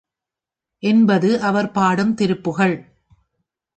என்பது அவர் பாடும் திருப்புகழ்.